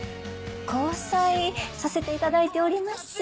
交際させていただいております。